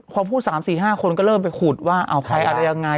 พอพูด๓๔๕คนก็เริ่มไปขุดว่าเอาใครอะไรยังไง